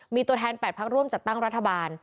มีตัวแทน๘พักร่วมจัดตั้งรัฐบาล